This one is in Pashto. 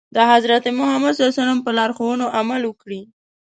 د حضرت محمد ص په لارښوونو عمل وکړي.